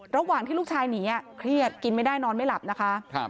ระหว่างที่ลูกชายหนีเครียดกินไม่ได้นอนไม่หลับนะคะ